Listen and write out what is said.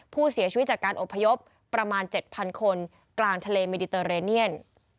ผู้เสียชีวิตจากการอบพยพประมาณ๗๐๐คนกลางทะเลมิดิเตอร์เรเนียน